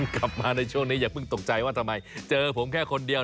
กลับมาในช่วงนี้อย่าเพิ่งตกใจว่าทำไมเจอผมแค่คนเดียว